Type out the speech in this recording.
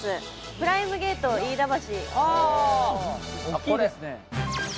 プライムゲート飯田橋。